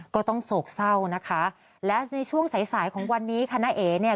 ก็ต้องโศกเศร้านะคะและในช่วงสายสายของวันนี้คณะเอเนี่ย